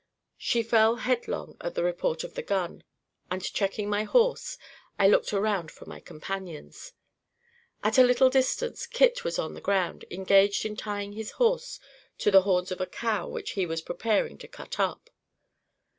She fell headlong at the report of the gun, and checking my horse, I looked around for my companions. At a little distance, Kit was on the ground, engaged in tying his horse to the horns of a cow which he was preparing to cut up.